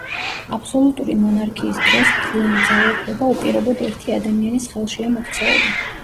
აბსოლუტური მონარქიის დროს მთლიანი ძალაუფლება უპირობოდ ერთი ადამიანის ხელშია მოქცეული.